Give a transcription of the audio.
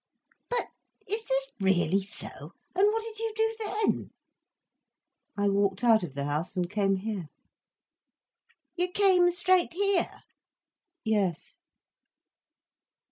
"But is this really so? And what did you do then?" "I walked out of the house and came here." "You came straight here?" "Yes."